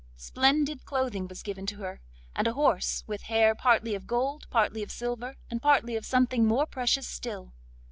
Splendid clothing was given to her, and a horse, with hair partly of gold, partly of silver, and partly of something more precious still.